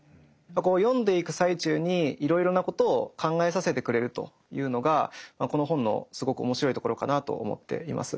読んでいく最中にいろいろなことを考えさせてくれるというのがこの本のすごく面白いところかなと思っています。